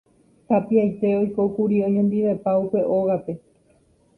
tapiaite oikókuri oñondivepa upe ógape.